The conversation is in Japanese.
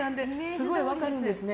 すごい分かるんですね。